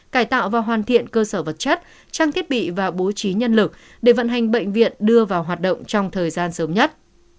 cải tạo và hoàn thiện cơ sở vật chất trang thiết bị và bố trí nhân lực để vận hành bệnh viện đưa vào hoạt động trong thời gian sớm nhất